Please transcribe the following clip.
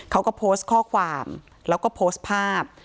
เขาก็โพสต์ข้อความแล้วก็โพสต์ภาพ